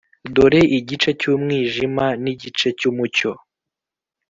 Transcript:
dore igice cyumwijima nigice cyumucyo.